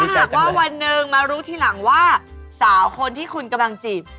ถ้าหากว่าวันหนึ่งมารู้ทีหลังว่าสาวคนที่คุณกำลังจีบ